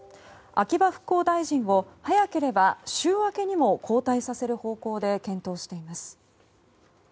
秋葉復興大臣を早ければ週明けにも交代させる方向で検討しています。